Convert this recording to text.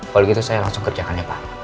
kalau gitu saya langsung kerjakan ya pak